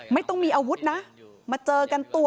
ไม่ต้องมีอาวุธนะมาเจอกันตัว